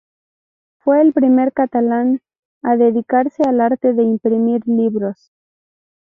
Fue el primer catalán a dedicarse al arte de imprimir libros.